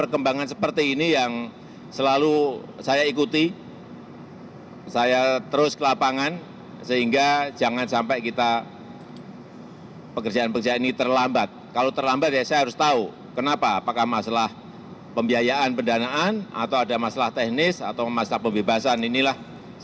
terus saya bakal kasih